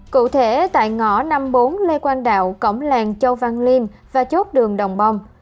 cụ thể tại ngõ năm mươi bốn lê quang đạo cổng làng châu văn liêm và chốt đường đồng bong